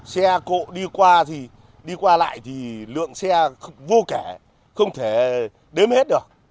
xe cộ đi qua thì đi qua lại thì lượng xe vô kẻ không thể đếm hết được